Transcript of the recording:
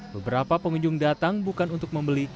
beberapa pengunjung datang bukan untuk membeli